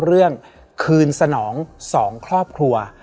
และวันนี้แขกรับเชิญที่จะมาเชิญที่เรา